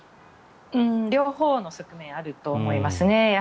両方の側面があると思いますね。